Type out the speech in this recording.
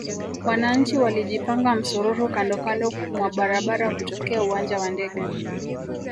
Wananchi walijipanga msururu kandokando mwa barabara kutokea uwanja wa ndege